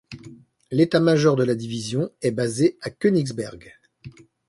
L'état-major de la Division est basé à Königsberg.